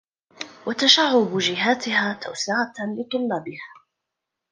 وَتَشَعُّبُ جِهَاتِهَا تَوْسِعَةً لِطُلَّابِهَا